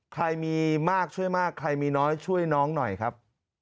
ใครมีมากช่วยมากใครมีน้อยช่วยน้องหน่อยครับ